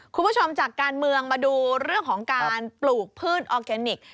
คุณผู้ชมจากการเมืองมาดูเรื่องของการปลูกพืชออร์แกนิค